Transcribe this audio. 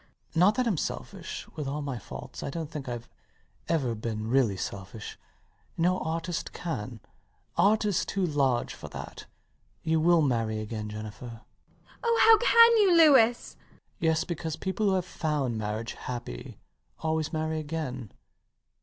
Not that I'm selfish. With all my faults I dont think Ive ever been really selfish. No artist can: Art is too large for that. You will marry again, Jennifer. MRS DUBEDAT. Oh, how can you, Louis? LOUIS [insisting childishly] Yes, because people who have found marriage happy always marry again.